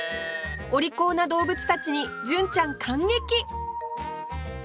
お利口な動物たちに純ちゃん感激！